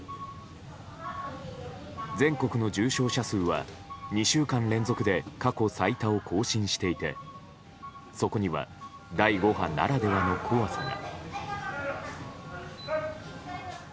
全国の重症者数は２週間連続で過去最多を更新していてそこには第５波ならではの怖さが。